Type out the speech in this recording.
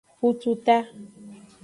Kututa.